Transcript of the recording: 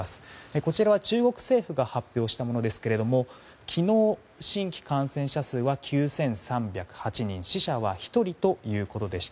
こちらは中国政府が発表したものですが昨日、新規感染者数は９３０８人死者は１人ということでした。